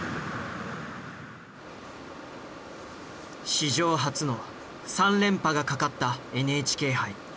史上初の３連覇がかかったＮＨＫ杯。